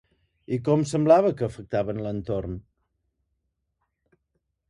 I com pareixia que afectaven l'entorn?